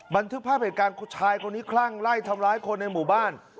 บันทึกภาพเหตุการณ์ผู้ชายคนนี้คลั่งไล่ทำร้ายคนในหมู่บ้าน